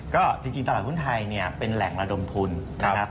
ก็จริงตลาดหุ้นไทยเนี่ยเป็นแหล่งระดมทุนนะครับ